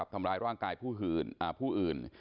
ทำร้ายร่างกายผู้อื่น